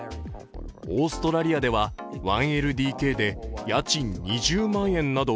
オーストラリアでは、１ＬＤＫで家賃２０万円など。